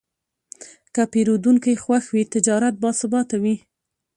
که پیرودونکی خوښ وي، تجارت باثباته وي.